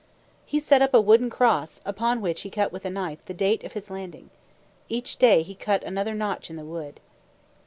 He set up a wooden cross, upon which he cut with a knife the date of his landing. Each day he cut another notch in the wood.